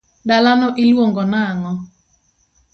dalano iluongo nang'o?